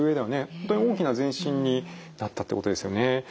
本当に大きな前進になったってことですよね。